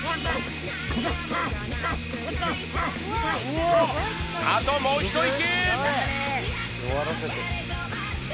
わっあともう一息！